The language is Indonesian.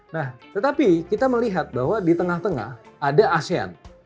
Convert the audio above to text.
nah tetapi kita melihat bahwa di tengah tengah ada asean